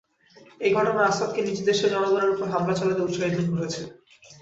এই ঘটনা আসাদকে নিজ দেশের জনগণের ওপর হামলা চালাতেই উৎসাহিত করেছে।